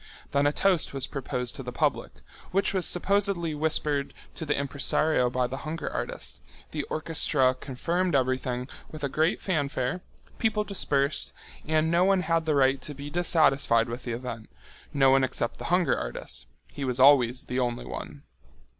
Then a toast was proposed to the public, which was supposedly whispered to the impresario by the hunger artist, the orchestra confirmed everything with a great fanfare, people dispersed, and no one had the right to be dissatisfied with the event, no one except the hunger artist—he was always the only one.